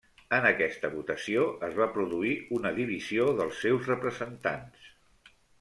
En aquesta votació es va produir una divisió dels seus representants.